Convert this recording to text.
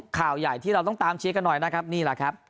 ข่าวใหญ่ที่เราต้องตามเชียร์กันหน่อยนะครับนี่แหละครับ